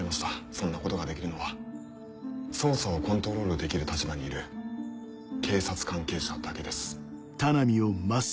そんなことができるのは捜査をコントロールできる立場にいる警察関係者だけです。